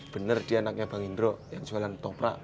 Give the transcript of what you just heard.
bener dia anaknya bang indro yang jualan ketoprak